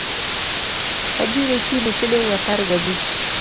Abiro chuli siling apar ga abich